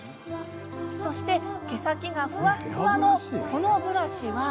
そして、毛先がふわふわのこのブラシは？